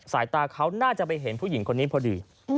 สายตาเขาน่าจะไปเห็นผู้หญิงคนนี้พอดี